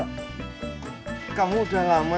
inega kamu udah lama